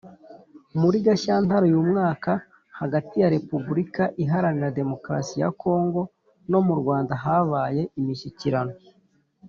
muri Gashyantare uyu mwaka hagati ya Repubulika iharanira demokarasi ya kongo nu Rwanda habaye imishyikirano.